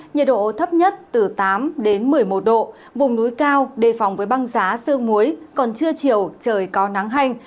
nhiệt độ thấp nhất từ tám đến một mươi một độ vùng núi cao đề phòng với băng giá xương muối còn trưa chiều trời có nắng hành